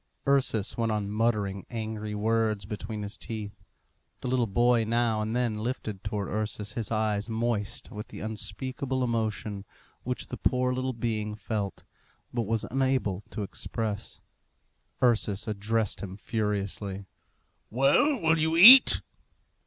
Ursus went on muttering angry words between his teeth. The little boy now and then lifted towards Ursus his eyes moist with the unspeakable emotion which the poor little being felt, but was unable to express. Ursus addressed him furiously. "Well, will you eat?"